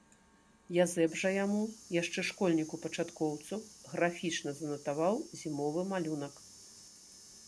Язэп жа яму, яшчэ школьніку-пачаткоўцу, графічна занатаваў зімовы малюнак.